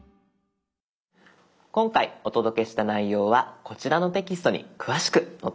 今回お届けした内容はこちらのテキストに詳しく載っています。